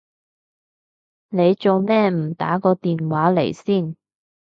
你做咩唔打個電話嚟先？